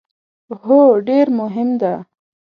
هو، ډیر مهم ده